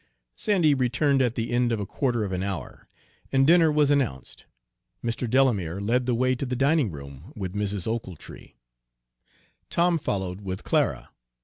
Sandy returned at the end of a quarter of an hour, and dinner was announced. Mr. Delamere led the way to the dining room with Mrs. Ochiltree. Tom followed with Clara.